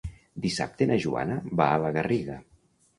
Dissabte na Joana va a la Garriga.